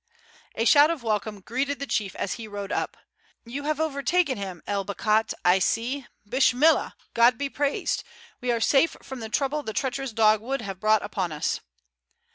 A shout of welcome greeted the chief as he rode up. "You have overtaken him, El Bakhat, I see; Bishmillah, God be praised, we are safe from the trouble the treacherous dog would have brought upon us!"